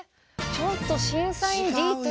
ちょっと審査員ＤとＥ？